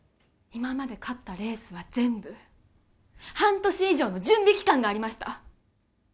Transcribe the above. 今まで勝ったレースは全部半年以上の準備期間がありました